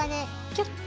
キュッと。